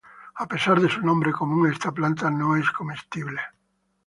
A pesar de su nombre común, esta planta no es comestible.